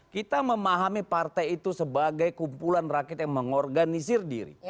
kita memahami partai itu sebagai kumpulan rakyat yang mengorganisir diri